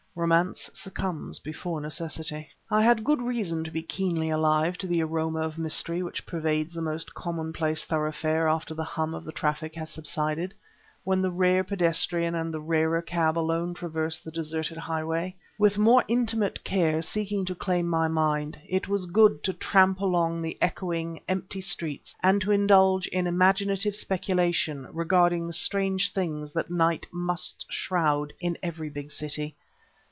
Romance succumbs before necessity. I had good reason to be keenly alive to the aroma of mystery which pervades the most commonplace thoroughfare after the hum of the traffic has subsided when the rare pedestrian and the rarer cab alone traverse the deserted highway. With more intimate cares seeking to claim my mind, it was good to tramp along the echoing, empty streets and to indulge in imaginative speculation regarding the strange things that night must shroud in every big city.